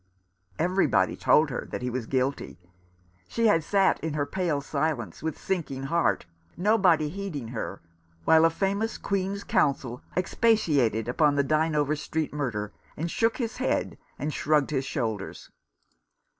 Everybody told her that he was guilty. She had sat in her pale silence, with sinking heart, nobody heeding her, while a famous Queen's Counsel expatiated upon the Dynevor Street murder, and shook his head and shrugged his shoulders.